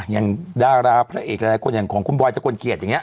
อย่างดาราพระเอกอะไรก็อย่างของคุณบอยจักรเกียจอย่างเนี่ย